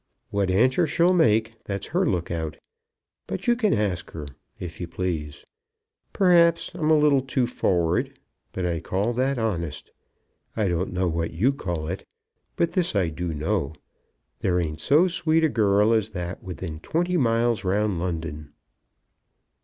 What answer she'll make, that's her look out. But you can ask her, if you please. Perhaps I'm a little too forrard; but I call that honest. I don't know what you call it. But this I do know; there ain't so sweet a girl as that within twenty miles round London."